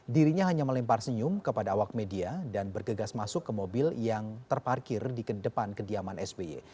dirinya hanya melempar senyum kepada awak media dan bergegas masuk ke mobil yang terparkir di ke depan kediaman sby